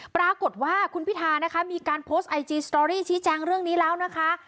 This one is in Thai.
ปรากฏว่าคุณพิธานะคะมีการโพสต์ไอจีสตอรี่ชี้แจงเรื่องนี้แล้วนะคะ